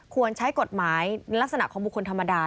ใช้กฎหมายลักษณะของบุคคลธรรมดา